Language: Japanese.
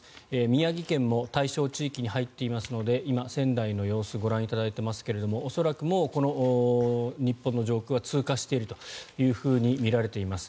宮城県も対象地域に入っていますので今、仙台の様子ご覧いただいていますが恐らく、もうこの日本の上空は通過しているというふうにみられています。